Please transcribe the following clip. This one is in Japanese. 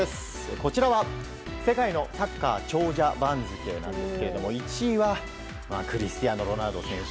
こちらは世界のサッカー長者番付なんですが１位はクリスティアーノ・ロナウド選手。